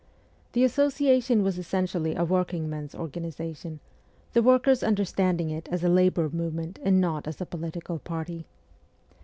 The Asso ciation was essentially a working men's organization, the workers understanding it as a labour movement and not as a political party.